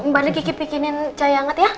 balik itu bikinin relyangat ya